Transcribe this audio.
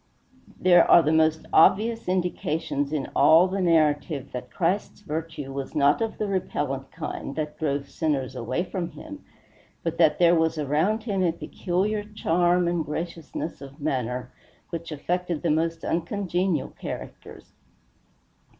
There are the most obvious indications in all the narrative that Christ's virtue was not of the repellent kind that drove sinners away from him, but that there was around him a peculiar charm and graciousness of manner which affected the most uncongenial characters.